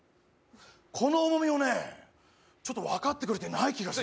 この重みをねちょっと分かってくれてない気がするわ。